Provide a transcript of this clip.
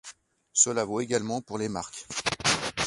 Cela vaut également pour les marques.